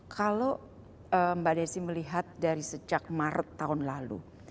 kalau mbak desi melihat dari sejak maret tahun lalu